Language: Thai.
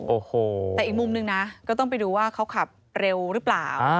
โอ้โหแต่อีกมุมนึงนะก็ต้องไปดูว่าเขาขับเร็วหรือเปล่า